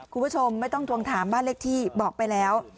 คุณผู้ชมไม่ต้องทวงถามบ้านเลขที่บอกไปแล้ว